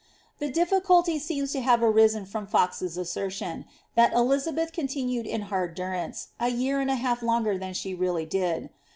The difficnlty' seems to have arisen frooi Fox's iseertioDf that EUa beth continued in hard durance, a year and a half longer than she leally did.